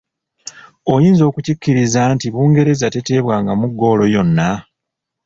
Oyinza okukikkiriza nti Bungereza teteebwangamu ggoolo yonna?